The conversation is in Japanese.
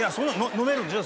飲めるんでしょ